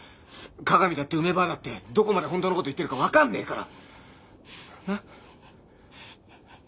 加賀美だって梅ばあだってどこまで本当の事言ってるかわかんねえから。